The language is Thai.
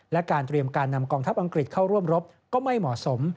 และการเตรียมการนำกองทัพอังกฤษเข้าร่วมรบก็ไม่เหมาะสม